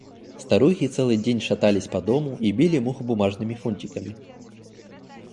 Старухи целый день шатались по дому и били мух бумажными фунтиками.